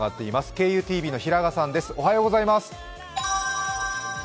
ＫＵＴＶの平賀さんです。